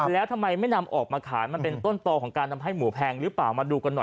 แล้วทำไมไม่นำออกมาขายมันเป็นต้นต่อของการทำให้หมูแพงหรือเปล่ามาดูกันหน่อย